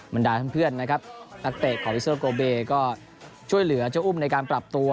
บรรดาเพื่อนนะครับนักเตะของอิสเตอร์โกเบก็ช่วยเหลือเจ้าอุ้มในการปรับตัว